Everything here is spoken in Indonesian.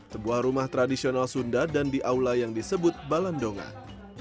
sebuah rumah tradisional sunda dan di aula yang disebut balendongan